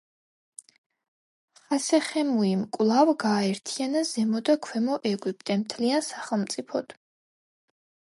ხასეხემუიმ კვლავ გააერთიანა ზემო და ქვემო ეგვიპტე მთლიან სახელმწიფოდ.